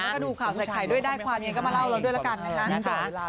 เาิร์นก็ดูข่าวใส่ไขด้วยได้ความงี้ก็มาเล่าด้วยนะครับ